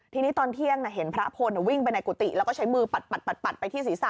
ทีนี้ตอนเที่ยงเห็นพระพลวิ่งไปในกุฏิแล้วก็ใช้มือปัดไปที่ศีรษะ